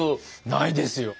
ないですよ。